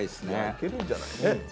いけるんじゃない？ねえ？